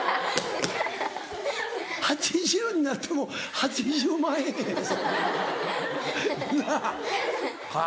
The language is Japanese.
８０になっても８０万円やぞ。なぁ。